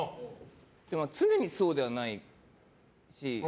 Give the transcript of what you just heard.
でも常にそうではないし。